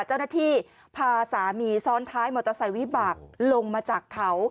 เจ้าหน้าที่พาสามีซ้อนท้ายมอเตอร์ไซค์วิบากลงมาจากเขา